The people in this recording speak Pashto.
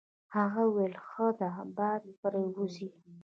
هغه وویل: ښه ده باد پرې وځي.